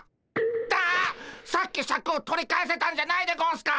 さっきシャクを取り返せたんじゃないでゴンスか？